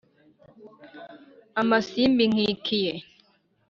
amasimbi nkikiye